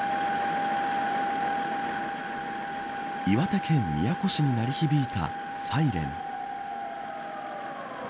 岩手県宮古市に鳴り響いたサイレン。